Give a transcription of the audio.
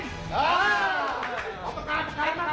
ไม่ใช่ครับไม่ใช่ครับ